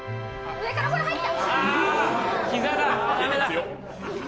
上からほら、入った！